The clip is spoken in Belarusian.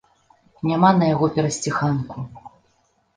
Няма на яго перасціханку.